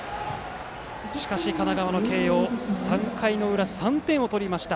しかし神奈川の慶応、３回裏に３点を取りました。